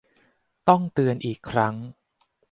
ต้องเตือนอีกครั้ง